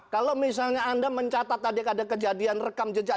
kalau misalnya anda mencatat tadi ada kejadian rekam jejak